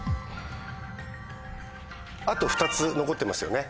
あと２つ残ってますよね？